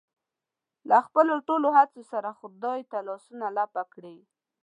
له خپلو ټولو هڅو سره خدای ته لاسونه لپه کړي.